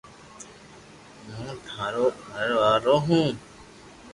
ھون ٿارو گھر وارو ھون